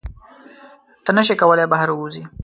ته نشې کولی بهر ووځې.